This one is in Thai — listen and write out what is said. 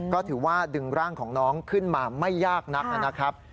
ก็ถือว่าดึงร่างของน้องขึ้นมาไม่ยากนักนะครับ